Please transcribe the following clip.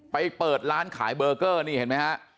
เปิดร้านขายเบอร์เกอร์นี่เห็นไหมฮะ